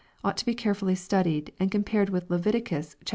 ought to be carefully studied, and com pared with Leviticus xviii.